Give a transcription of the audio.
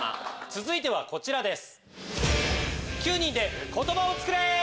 続いてはこちらです。